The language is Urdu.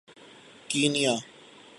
کینیا